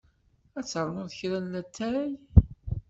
Ad ternuḍ kra n lattay?